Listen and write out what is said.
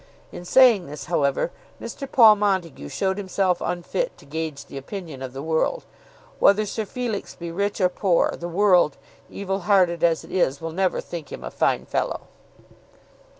In saying this, however, Mr. Paul Montague showed himself unfit to gauge the opinion of the world. Whether Sir Felix be rich or poor, the world, evil hearted as it is, will never think him a fine fellow.